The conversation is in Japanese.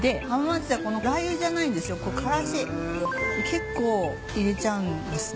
結構入れちゃうんです。